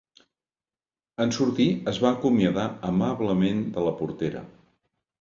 En sortir, es va acomiadar amablement de la portera.